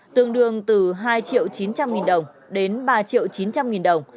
tương đương từ hai triệu chín trăm linh nghìn đồng đến ba triệu chín trăm linh nghìn đồng